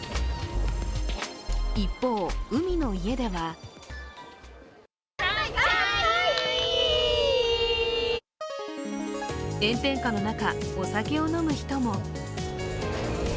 一方、海の家では炎天下の中、お酒を飲む人も。